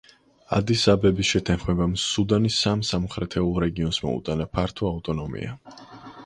ადის-აბების შეთანხმებამ სუდანის სამ სამხრეთულ რეგიონს მოუტანა ფართო ავტონომია.